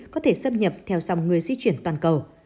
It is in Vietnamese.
có thể xâm nhập theo dòng người di chuyển toàn cầu